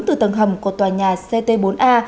từ tầng hầm của tòa nhà ct bốn a